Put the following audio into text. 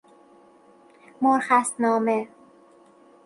مرخص نامه